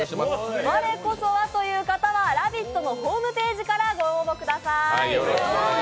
我こそはという方は「ラヴィット！」のホームページからご応募ください。